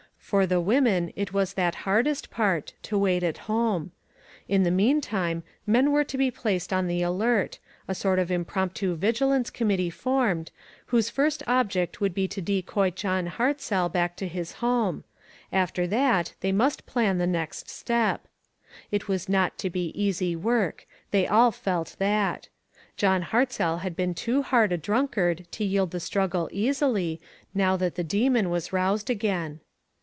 For the women it was that hardest part, to wait at home. In the meantime, men were to be placed on the alert ; a sort of impromptu vigilance com mittee formed, whose first object would be to decoy John Hartzell back to his home ; after that, they must plan the next step. It was not to be easy work ; they all felt that. John Hartzell had been too hard a drunkard to yield the struggle easily, now that the demon was roused again.